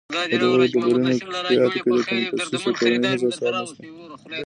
• په دغو ډبرینو کشفیاتو کې د کنفوسیوس د کورنۍ هېڅ آثار نهشته.